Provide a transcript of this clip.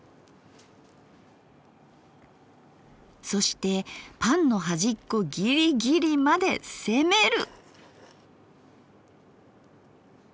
そしてパンの端っこぎりぎりまで攻める！